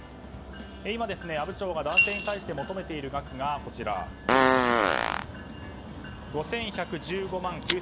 今、阿武町が男性に対して求めている額が５１１５万９９３９円。